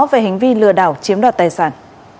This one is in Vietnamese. về hành vi lừa đảo chiếm đoạt tài sản